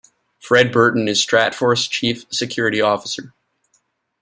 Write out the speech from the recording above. Fred Burton is Stratfor's chief security officer.